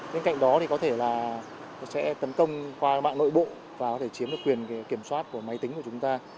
bên cạnh đó thì có thể là sẽ tấn công qua các mạng nội bộ và có thể chiếm được quyền kiểm soát của máy tính của chúng ta